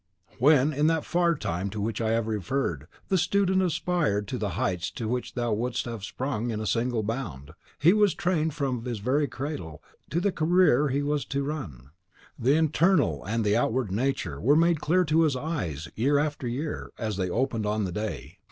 When, in that far time to which I have referred, the student aspired to the heights to which thou wouldst have sprung at a single bound, he was trained from his very cradle to the career he was to run. The internal and the outward nature were made clear to his eyes, year after year, as they opened on the day.